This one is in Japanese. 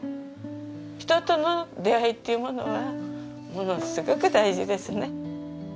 人との出会いっていうものはものすごく大事ですね。